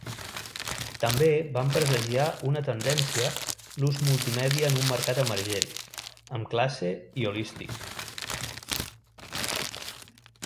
També van presagiar una tendència l'ús multimèdia en un mercat emergent, amb classe i holístic.